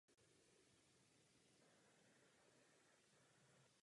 Patřil k průkopníkům sportovního juda doma v Argentině.